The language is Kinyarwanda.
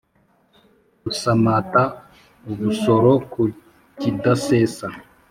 Usamata ubusoro ku kidasesa